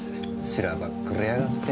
しらばっくれやがってもう。